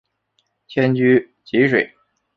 迁居蕲水。